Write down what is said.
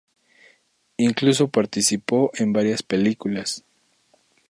Incluso participó en varias películas.